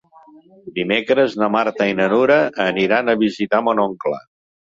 Dimecres na Marta i na Nura aniran a visitar mon oncle.